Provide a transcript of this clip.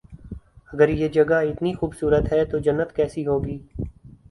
اگر یہ جگہ اتنی خوب صورت ہے تو جنت کیسی ہو گی